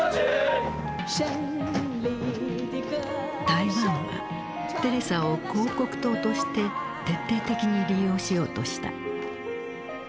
台湾はテレサを広告塔として徹底的に利用しようとした。